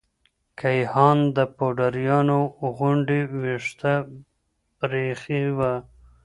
کيهان د پوډريانو غوندې ويښته پريخي وه.